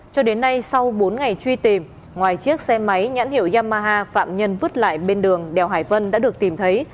cho đến nay sau bốn ngày truy tìm ngoài chiếc xe máy nhãn hiệu yamaha phạm nhân vứt lại bên đường đèo hải vân đã được tìm thấy